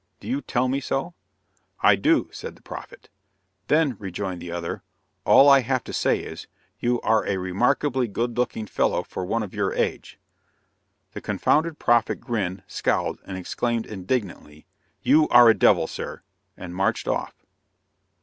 Do you tell me so?" "I do," said the prophet. "Then," rejoined the other, "all I have to say is, you are a remarkably good looking fellow for one of your age." The confounded prophet grinned, scowled, and exclaimed indignantly: "You are a devil, Sir!" and marched off.